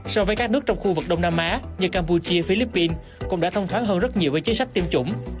so với các nước trong khu vực đông nam á như campuchia philippines cũng đã thông thoáng hơn rất nhiều với chính sách tiêm chủng